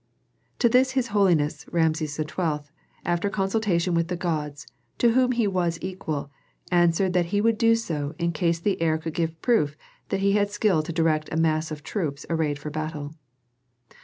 To this his holiness, Rameses XII., after consultation with the gods, to whom he was equal, answered that he would do so in case the heir could give proof that he had skill to direct a mass of troops arrayed for battle.